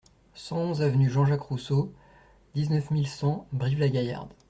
cent onze avenue J Jacques Rousseau, dix-neuf mille cent Brive-la-Gaillarde